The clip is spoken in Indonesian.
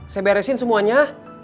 saya beresin semuanya